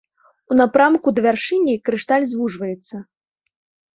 У напрамку да вяршыні крышталь звужваецца.